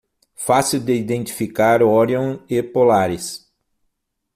Fácil de identificar Orion e Polaris